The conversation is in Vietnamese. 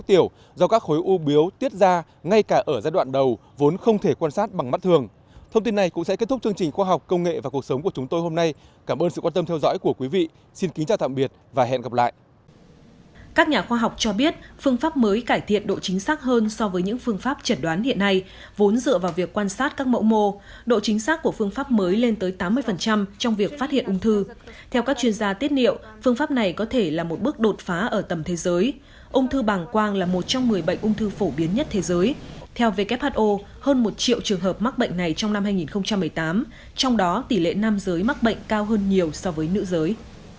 theo who hơn một triệu trường hợp mắc bệnh này trong năm hai nghìn một mươi tám trong đó tỷ lệ nam giới mắc bệnh cao hơn nhiều so với nữ giới